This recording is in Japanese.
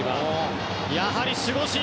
やはり守護神